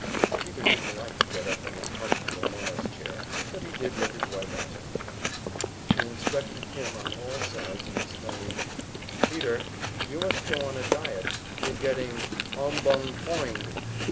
Peter didn't like to get up from his comfortable Morris chair, but he did what his wife asked him. She inspected him on all sides and exclaimed, "Peter, you must go on a diet; you're getting ombongpoing!"